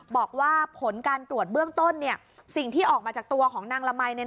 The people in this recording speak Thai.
บอกว่าผลการตรวจเบื้องต้นสิ่งที่ออกมาจากตัวของนางละมัย